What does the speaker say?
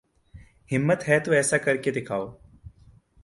ہمت ہے تو ایسا کر کے دکھاؤ